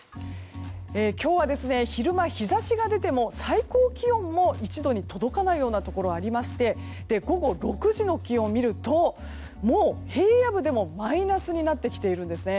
今日は昼間、日差しが出ても最高気温も１度に届かないようなところありまして午後６時の気温を見るともう、平野部でもマイナスになってきているんですね。